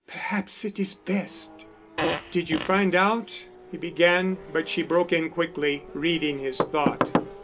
"Perhaps it is best." "Did you find out——?" he began, but she broke in quickly, reading his thought.